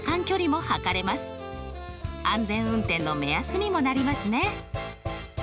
安全運転の目安にもなりますね。